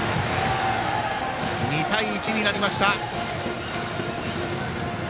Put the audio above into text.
２対１になりました。